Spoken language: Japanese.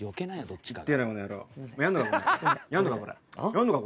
やんのか？